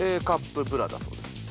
Ａカップブラだそうです。